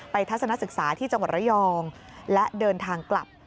ทัศนศึกษาที่จังหวัดระยองและเดินทางกลับ